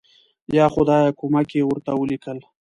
یا خدایه کومک یې ورته ولیکل.